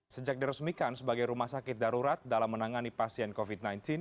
sejak diresmikan sebagai rumah sakit darurat dalam menangani pasien covid sembilan belas